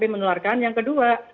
menularkan yang kedua